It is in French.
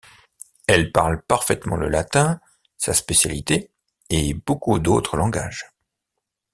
Elle parle parfaitement le latin, sa spécialité, et beaucoup d'autres langages.